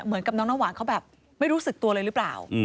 เหมือนกับน้องน้ำหวานเขาแบบไม่รู้สึกตัวเลยหรือเปล่า